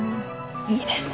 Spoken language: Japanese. いいですね。